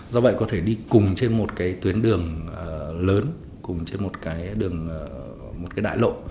do vậy có thể đi cùng trên một tuyến đường lớn cùng trên một đường đại lộ